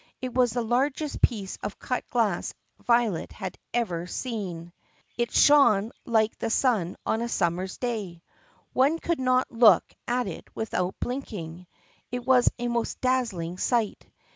It was the largest piece of cut glass Violet had ever seen. It shone like the sun on a summer's day. One could not look at it without blinking. It was a most dazzling sight.